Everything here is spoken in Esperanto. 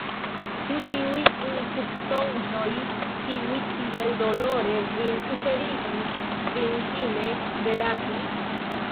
Ĉu tiuj inkubsonĝoj, kiuj tiel dolore vin suferigis, vin fine delasis?